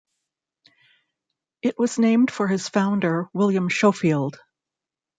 It was named for its founder, William Schofield.